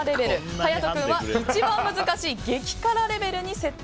勇人君は一番難しい激辛レベルに設定。